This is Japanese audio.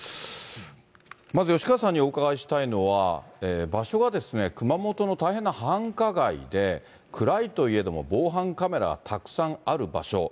まず吉川さんにお伺いしたいのは、場所が、熊本の大変な繁華街で、暗いといえども防犯カメラ、たくさんある場所。